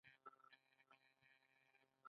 د میرمنو کار د مور روغتیا ساتي.